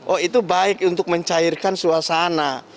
oh itu baik untuk mencairkan suasana